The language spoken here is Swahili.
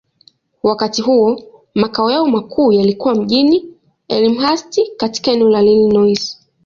Wakati huo, makao yao makuu yalikuwa mjini Elmhurst, katika eneo la Illinois.